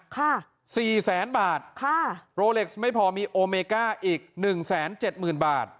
ค่ะสี่แสนบาทค่ะโรเล็กซ์ไม่พอมีโอเมก้าอีกหนึ่งแสนเจ็ดหมื่นบาท